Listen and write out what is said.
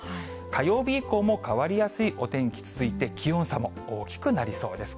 火曜日以降も変わりやすいお天気続いて、気温差も大きくなりそうです。